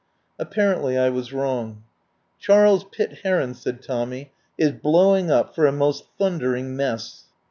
Apparently I was wrong. "Charles Pitt Heron," said Tommy, "is blowing up for a most thundering mess."